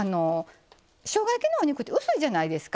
しょうが焼きのお肉って薄いじゃないですか。